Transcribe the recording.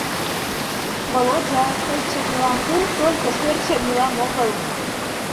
Володя, тый чернилам пу, только шӧр чернилам огыл.